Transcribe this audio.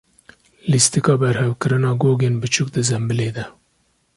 Lîstika berhevkirina gogên biçûk di zembîlê de.